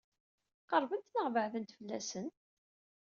Qeṛbent neɣ beɛdent fell-asen?